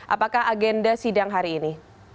apakah agenda sidang hari ini